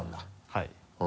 はい。